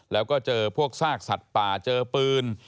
แล้วก็เจอพวกซากสัตว์ป่าเจอปืน